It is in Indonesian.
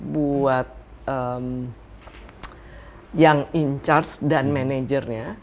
buat yang in charge dan manajernya